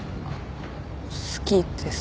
好きです。